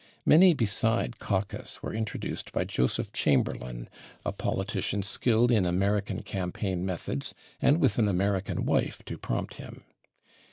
Many beside /caucus/ were introduced by Joseph Chamberlain, a politician skilled in American campaign methods and with an American wife to prompt him.